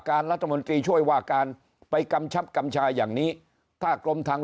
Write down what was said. รัฐมนตรีช่วยว่าการไปกำชับกำชาอย่างนี้ถ้ากรมทาง